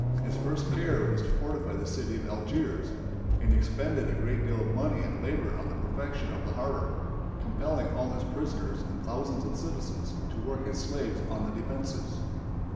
His first care was to fortify the city of Algiers, and he expended a great deal of money and labor on the perfection of the harbor, compelling all his prisoners and thousands of citizens to work as slaves on the defenses.